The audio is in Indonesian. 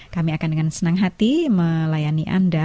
kami akan dengan senang hati melayani anda